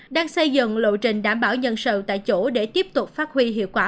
đang xây dựng lộ trình đảm bảo nhân sự tại chỗ để tiếp tục phát huy hiệu quả